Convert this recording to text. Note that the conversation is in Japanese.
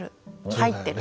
「入ってる」。